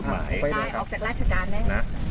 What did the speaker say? อำเภอโพธาราม